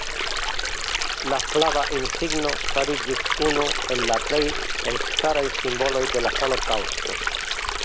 La flava insigno fariĝis unu el la plej elstaraj simboloj de la holokaŭsto.